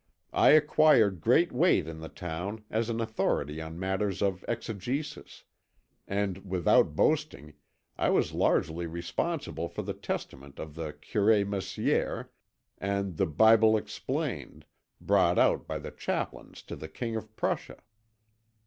I acquired great weight in the town as an authority on matters of exegesis, and, without boasting, I was largely responsible for the Testament of the curé Meslier and The Bible Explained, brought out by the chaplains to the King of Prussia.